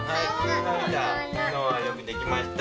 きょうはよくできました。